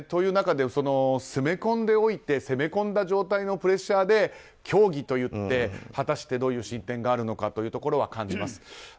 その中で、攻め込まれた中で攻め込んだ状態のプレッシャーで協議といって果たしてどういう進展があるのかというのを感じます。